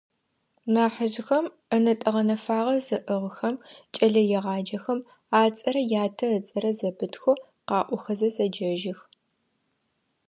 Нахьыжъхэм, ӏэнэтӏэ гъэнэфагъэ зыӏыгъхэм, кӏэлэегъаджэхэм ацӏэрэ ятэ ыцӏэрэ зэпытхэу къаӏохэзэ зэджэжьых.